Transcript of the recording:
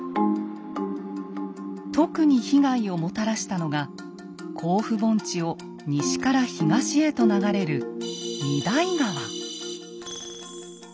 特に被害をもたらしたのが甲府盆地を西から東へと流れる御勅使川。